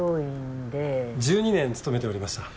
１２年勤めておりました。